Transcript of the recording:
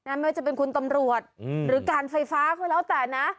ไม่ว่าจะเป็นคุณตำรวจหรือการไฟฟ้าก็แล้วแต่นะ